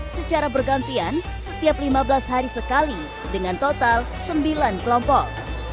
secara bergantian setiap lima belas hari sekali dengan total sembilan kelompok